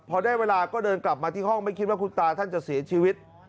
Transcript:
พอได้เวลาก็เดินกลับมาที่ห้องไม่คิดว่าคุณตาท่านจะเสียชีวิต